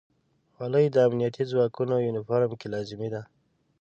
خولۍ د امنیتي ځواکونو یونیفورم کې لازمي ده.